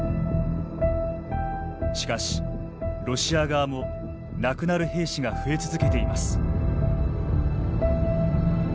しかし、ロシア側も亡くなる兵士が増え続けています。